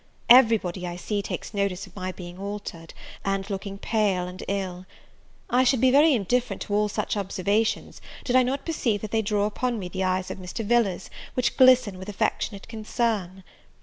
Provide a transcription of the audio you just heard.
Every body I see takes notice of my being altered, and looking pale and ill. I should be very indifferent to all such observations, did I not perceive that they draw upon me the eyes of Mr. Villars, which glisten with affectionate concern.